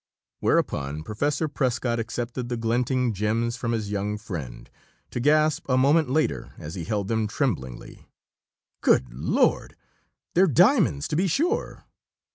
Whereupon Professor Prescott accepted the glinting gems from his young friend to gasp a moment later, as he held them tremblingly: "Good Lord they're diamonds, to be sure!